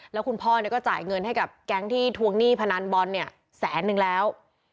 แล้วคุณพ่อก็จ่ายเงินให้กับแก๊งที่ทวงหนี้พนันบอลเนี่ยแสนนึงแล้ว